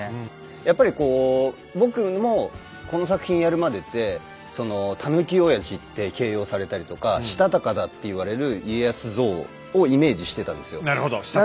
やっぱりこう僕もこの作品やるまでってそのタヌキおやじって形容されたりとかしたたかだって言われる家康像をイメージしてたんですよ。